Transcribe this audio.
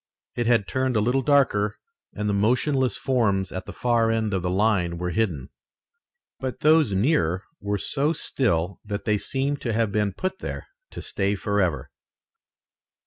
It had turned a little darker and the motionless forms at the far end of the line were hidden. But those nearer were so still that they seemed to have been put there to stay forever.